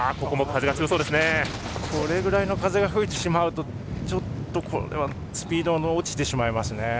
これぐらいの風が吹くとスピードが落ちてしまいますね。